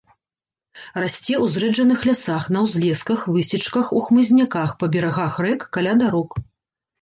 Расце ў зрэджаных лясах, на ўзлесках, высечках, у хмызняках, па берагах рэк, каля дарог.